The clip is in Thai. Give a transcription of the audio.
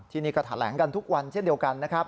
ที่นี่ก็แถลงกันทุกวันเช่นเดียวกันนะครับ